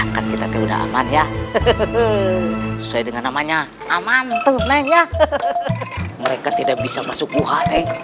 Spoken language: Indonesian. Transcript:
akan kita udah aman ya sesuai dengan namanya aman tuh nanya mereka tidak bisa masuk buah